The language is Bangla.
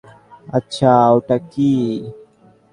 আচ্ছা, ওটা কী?